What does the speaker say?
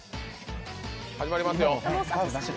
始まりますよ。